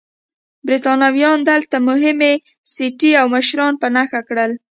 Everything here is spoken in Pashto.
برېټانویانو دلته مهمې سټې او مشران په نښه کړل.